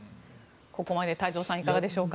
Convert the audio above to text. ここまで太蔵さんいかがでしょうか？